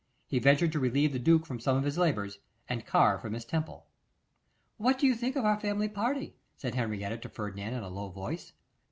He ventured to relieve the duke from some of his labours, and carve for Miss Temple. 'What do you think of our family party?' said Henrietta to Ferdinand, in a low voice.